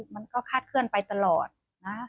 มันก็คาดเคลื่อนไปตลอดนะ